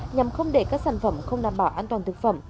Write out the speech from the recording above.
nhằm không để các sản phẩm không đảm bảo an toàn thực phẩm